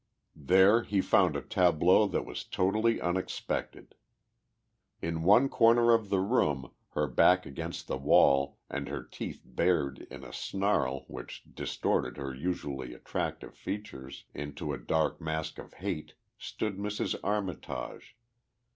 There he found a tableau that was totally unexpected. In one corner of the room, her back against the wall and her teeth bared in a snarl which distorted her usually attractive features into a mask of hate, stood Mrs. Armitage.